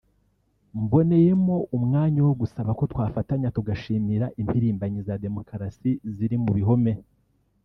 Mboneyemo umwanya wo gusaba ko twafatanya tugashimira impirimbanyi za demokarasi ziri mu bihome